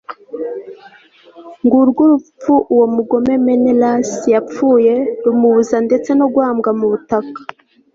ng'urwo urupfu uwo mugome menelasi yapfuye rumubuza ndetse no guhambwa mu butaka